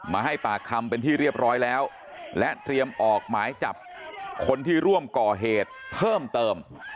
ให้ปากคำเป็นที่เรียบร้อยแล้วและเตรียมออกหมายจับคนที่ร่วมก่อเหตุเพิ่มเติม